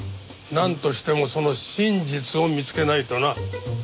なんとしてもその真実を見つけないとな。